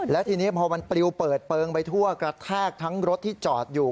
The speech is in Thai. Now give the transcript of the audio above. และทีนี้พอมันปลิวเปิดเปลืองไปทั่วกระแทกทั้งรถที่จอดอยู่